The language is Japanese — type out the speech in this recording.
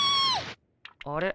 あれ？